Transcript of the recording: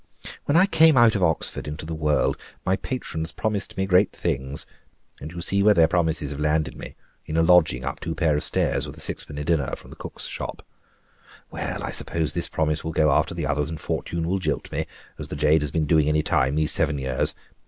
"When I came out of Oxford into the world, my patrons promised me great things; and you see where their promises have landed me, in a lodging up two pair of stairs, with a sixpenny dinner from the cook's shop. Well, I suppose this promise will go after the others, and fortune will jilt me, as the jade has been doing any time these seven years.